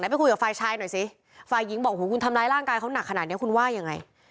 ไปคุยกับฝ่ายชายหน่อยสิฝ่ายหญิงบอกโอ้โหคุณทำร้ายร่างกายเขาหนักขนาดนี้คุณว่ายังไง